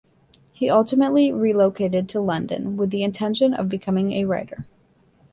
He ultimately relocated to London with the intention of becoming a writer.